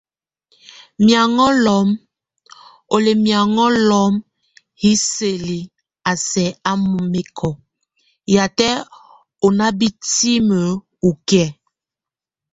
Miaŋo lum, o lɛ miaŋo lum hisɛli a sɛk a mɛ́kɔ, yatʼ ó nabitim okie?